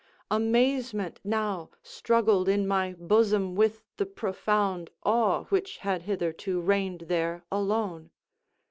Amazement now struggled in my bosom with the profound awe which had hitherto reigned there alone.